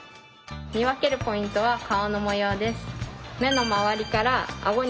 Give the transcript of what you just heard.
見分けるポイントは顔の模様です。